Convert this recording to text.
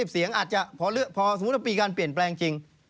๓๐เสียงสมมุติว่าปีการเปลี่ยนแปลงจริง